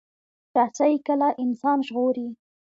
رسۍ کله انسان ژغوري.